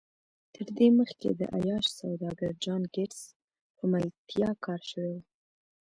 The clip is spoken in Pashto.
تر دې مخکې د عیاش سوداګر جان ګیټس په ملتیا کار شوی و